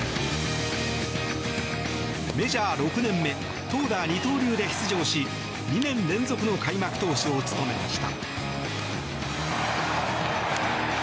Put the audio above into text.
メジャー６年目投打二刀流で出場し２年連続の開幕投手を務めました。